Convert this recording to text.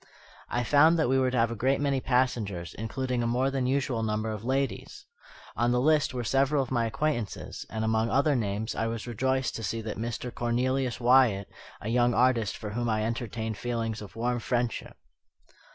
I found that we were to have a great many passengers, including a more than usual number of ladies. On the list were several of my acquaintances; and among other names I was rejoiced to see that of Mr. Cornelius Wyatt, a young artist, for whom I entertained feelings of warm friendship.